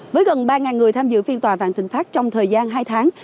với gần ba người tham dự phiên tòa vạn thịnh pháp trong thời gian hai tháng